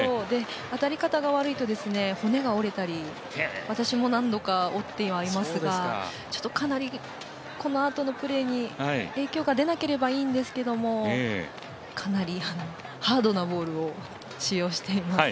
当たり方が悪いと骨が折れたり私も何度か折ってはいますがかなりこのあとのプレーに影響が出なければいいんですがかなりハードなボールを使用しています。